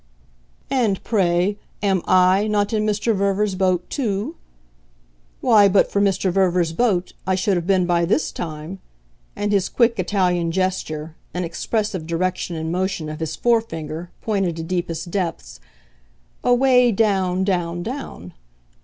"And, pray, am I not in Mr. Verver's boat too? Why, but for Mr. Verver's boat, I should have been by this time" and his quick Italian gesture, an expressive direction and motion of his forefinger, pointed to deepest depths "away down, down, down."